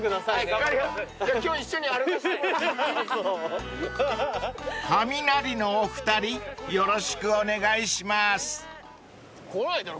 ［カミナリのお二人よろしくお願いします］来ないだろ